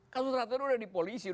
kasus ratna itu sudah di polisi